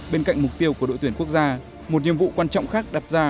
bên cạnh mục tiêu của đội tuyển quốc gia một nhiệm vụ quan trọng khác đặt ra